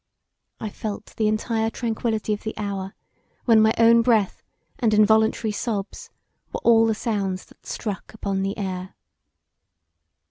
I felt the entire tranquillity of the hour when my own breath and involuntary sobs were all the sounds that struck upon the air.